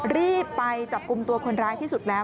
รีบไปจับกลุ่มตัวคนร้ายที่สุดแล้ว